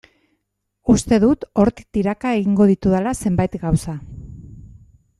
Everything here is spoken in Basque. Uste dut hortik tiraka egingo ditudala zenbait gauza.